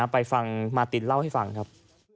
ไปฟังมาตินเล่าให้ฟังครับ